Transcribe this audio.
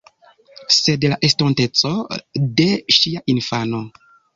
Sed la estonteco de ŝia infano.